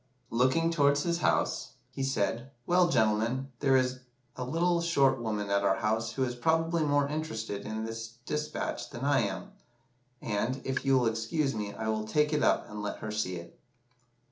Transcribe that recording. Looking towards his house, he said 'Well, gentlemen, there is a little short woman at our house who is probably more interested in this despatch than I am; and, if you will excuse me, I will take it up and let her see it.